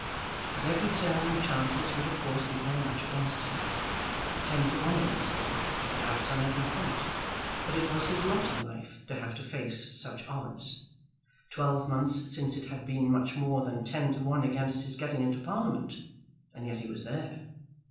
At every turn the chances would of course be very much against him; ten to one against him, perhaps, on every point; but it was his lot in life to have to face such odds. Twelve months since it had been much more than ten to one against his getting into Parliament; and yet he was there.